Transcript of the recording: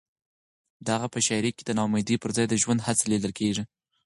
د هغه په شاعرۍ کې د ناامیدۍ پر ځای د ژوند هڅه لیدل کېږي.